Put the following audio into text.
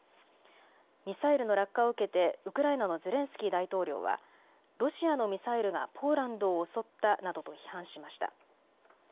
ミサイルの落下を受けてウクライナのゼレンスキー大統領はロシアのミサイルがポーランドを襲ったなどと批判しました。